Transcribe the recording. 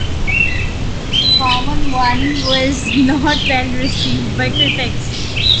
"Common One" was not well received by critics.